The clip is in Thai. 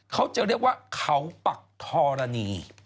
เขาจะเรียกว่าเขาปักธรณี